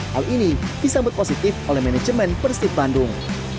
hal ini disambut positif oleh manajemen persib bandung